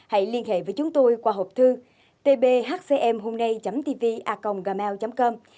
hãy liên hệ với chúng tôi qua hộp thư tbhcmhômnay tvacomgmail com